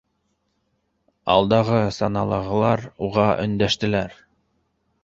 Алдағы саналағылар уға өндәштеләр: